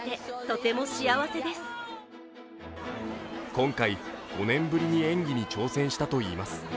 今回、５年ぶりに演技に挑戦したといいます。